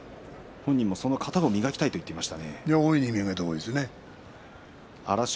本人もその型を磨きたいと言っていました。